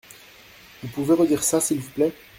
Vous pouvez redire ça s’il vous plait ?